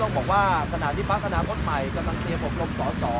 ตอนนี้นะครับ